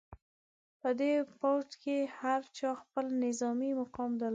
په دې پوځ کې هر چا خپل نظامي مقام درلود.